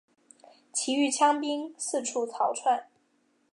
其余羌兵四处逃窜。